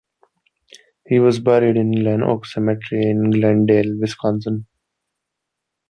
He was buried in Glen Oaks Cemetery, in Glendale, Wisconsin.